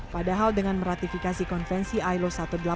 padahal dengan meratifikasi konvensi ailo satu ratus delapan puluh